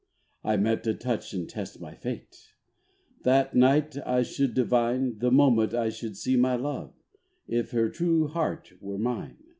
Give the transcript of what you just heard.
I meant to touch and test my fate; That night I should divine, The moment I should see my love, If her true heart were mine.